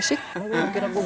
bang kita berubah